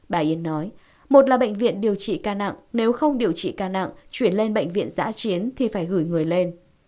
bà yên nói một là bệnh viện điều trị ca nặng nếu không điều trị ca nặng chuyển lên bệnh viện giã chiến thì phải gửi người lên